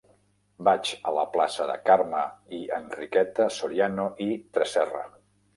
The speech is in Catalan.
Vaig a la plaça de Carme i Enriqueta Soriano i Tresserra.